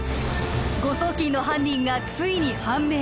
誤送金の犯人がついに判明